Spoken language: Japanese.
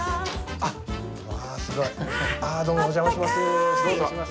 ああどうもお邪魔します。